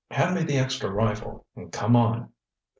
"Hand me the extra rifle, and come on."